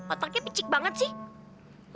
otaknya picit banget sih